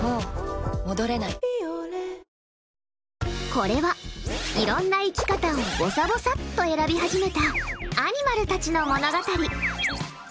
これは、いろんな生き方をぼさぼさっと選び始めたアニマルたちの物語。